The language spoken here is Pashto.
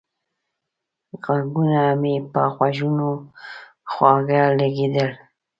غږونه مې په غوږونو خواږه لگېدل